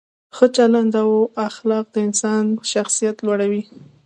ښه چلند او اخلاق د انسان شخصیت لوړوي.